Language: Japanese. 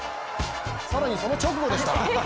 更にその直後でした。